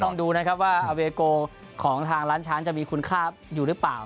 ต้องดูนะครับว่าอเวโกของทางร้านช้างจะมีคุณค่าอยู่หรือเปล่า